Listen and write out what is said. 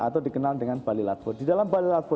atau dikenal dengan bali latvo di dalam bali latvo